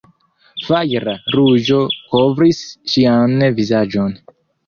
Fajra ruĝo kovris ŝian vizaĝon.